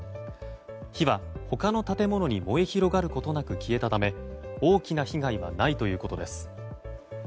火は、他の建物に燃え広がることなく消えたため、大きな被害はないということです。